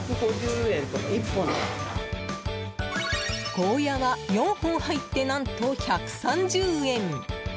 ゴーヤーは４本入って何と１３０円。